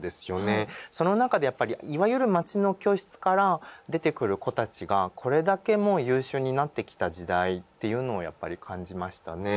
その中でやっぱりいわゆるまちの教室から出てくる子たちがこれだけもう優秀になってきた時代っていうのをやっぱり感じましたね。